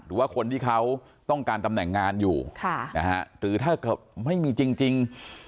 หรือว่าคนที่เขาต้องการตำแหน่งงานอยู่หรือถ้าเกิดไม่มีจริง